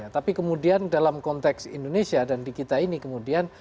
tapi kemudian dalam konteks indonesia dan di kita ini kemudian